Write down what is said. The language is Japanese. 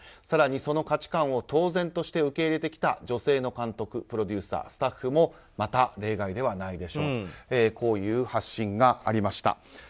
更にその価値観を当然として受け入れてきた女性の監督プロデューサー、スタッフもまた例外ではないでしょうとこういう発信がありました。